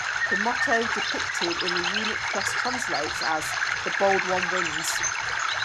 The motto depicted in the unit's crest translates as "the bold one wins".